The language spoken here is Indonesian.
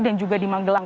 dan juga di manggelang